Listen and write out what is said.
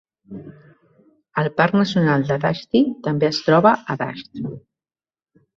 El parc nacional de Dajti també es troba al Dajt.